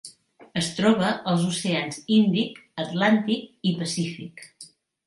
Es troba als oceans Índic, Atlàntic i Pacífic.